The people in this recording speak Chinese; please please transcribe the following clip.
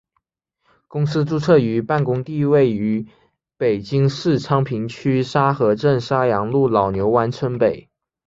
公司注册与办公地位于北京市昌平区沙河镇沙阳路老牛湾村北。